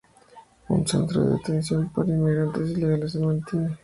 Un centro de detención para inmigrantes ilegales se mantiene.